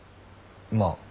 まあ。